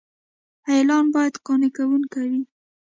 اعلان باید قانع کوونکی وي.